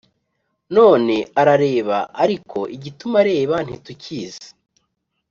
None arareba ariko igituma areba ntitukizi